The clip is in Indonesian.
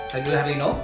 saya duda herlino